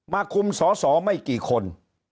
มาคุมสอไม่กี่คน